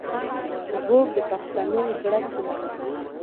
ږوب د پښتنو زړه سیمه ده